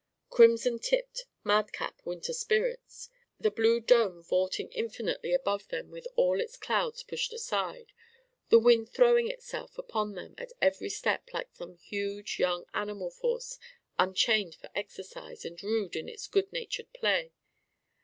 Crimson tipped, madcap, winter spirits! The blue dome vaulting infinitely above them with all its clouds pushed aside; the wind throwing itself upon them at every step like some huge young animal force unchained for exercise and rude in its good natured play.